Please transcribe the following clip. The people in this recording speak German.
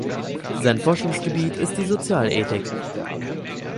Sein Forschungsgebiet ist die Sozialethik.